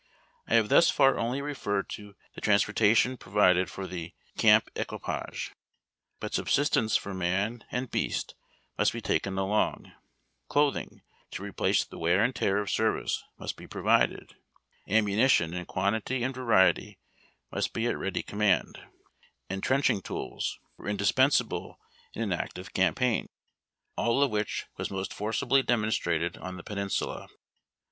I have thus far only referred to the transportation pro vided for the camp equipage ; but subsistence for man and beast must be taken along ; clothing, to replace the Avear and tear of service, must be provided ; ammimition in quantity and variety must be at ready command; intrenching tools were indispensable in an active campaign, — all of which AliMY W'A aON TRAINS. 359 was most forciljly demonstrated on the Peninsula.